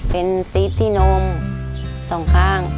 เป็นซีสที่นมสองข้าง